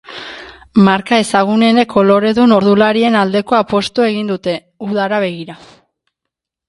Marka ezagunenek koloredun ordularien aldeko apustua egin dute, udara begira.